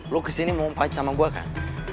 lo kesini mau fight sama gue kan